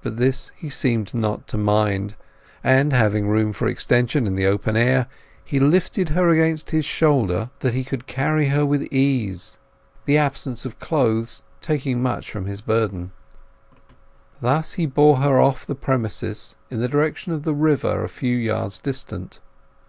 But this he seemed not to mind, and, having room for extension in the open air, he lifted her against his shoulder, so that he could carry her with ease, the absence of clothes taking much from his burden. Thus he bore her off the premises in the direction of the river a few yards distant.